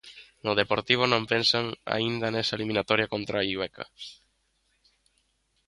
No Deportivo non pensan aínda nesa eliminatoria contra o Illueca.